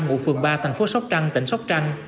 ngụ phường ba thành phố sóc trăng tỉnh sóc trăng